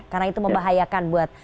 karena itu membahayakan buat